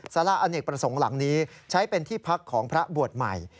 สาระอเนกประสงค์หลังนี้ใช้เป็นที่พักของพระบวชใหม่